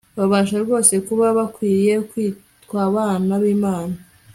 babasha rwose kuba bakwiriye kwitw abana blmana